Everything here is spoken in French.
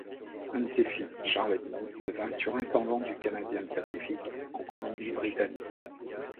Un de ses fils, Charles-Edmond, devint surintendant du Canadian Pacific en Colombie-Britannique.